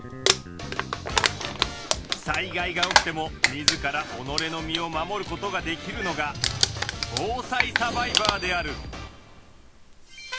災害が起きてもみずからおのれの身を守ることができるのが防災サバイバーである！